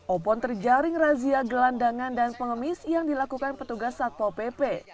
opon terjaring razia gelandangan dan pengemis yang dilakukan petugas satpol pp